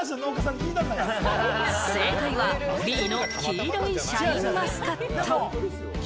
正解はＢの黄色いシャインマスカット。